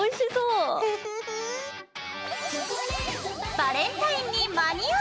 バレンタインに間に合う！